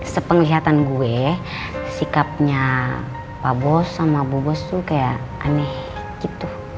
sepenglihatan gue sikapnya pak bos sama bu bos tuh kayak aneh gitu